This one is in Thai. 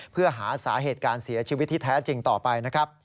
เพื่อหาสาเหตุการเสียชีวิตที่แท้จริงต่อไปนะครับ